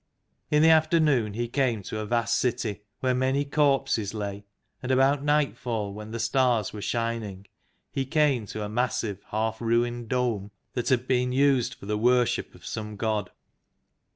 In the afternoon he came to a vast city, where many corpses lay ; and about nightfall, when the stars were shining, he came to a massive half ruined Dome 32 THE LAST GENERATION that had been used for the worship of some God.